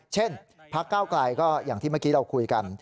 พักเก้าไกลก็อย่างที่เมื่อกี้เราคุยกัน